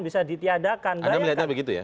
bisa ditiadakan anda melihatnya begitu ya